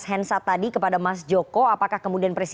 kemampuan untuk maju ke popes